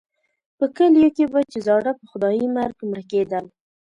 په کلیو کې به چې زاړه په خدایي مرګ مړه کېدل.